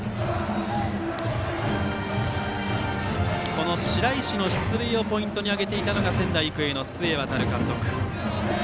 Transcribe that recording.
この白石の出塁をポイントに挙げていたのが仙台育英の須江航監督。